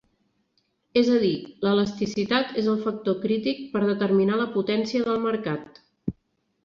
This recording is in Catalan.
És a dir, l'elasticitat és el factor crític per determinar la potència del mercat.